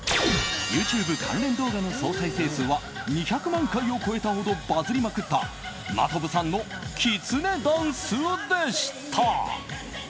ＹｏｕＴｕｂｅ関連動画の再生回数は２００万回を超えたほどバズりまくった真飛さんのきつねダンスでした。